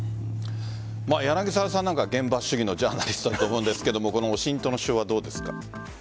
柳澤さんは現場主義のジャーナリストだと思うんですがＯＳＩＮＴのことはどうですか？